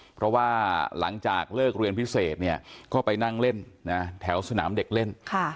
เพราะว่าหลังจากเลิกเรียนพิเศษเนี่ยก็ไปนั่งเล่นแถวสนามเด็กเล่น